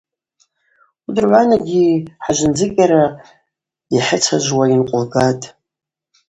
Уадыргӏванагьи хӏажвнацӏыкӏьара йхӏыцажвуа йынкъвылгатӏ.